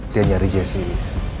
dia nyari jaycee